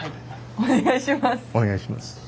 お願いします。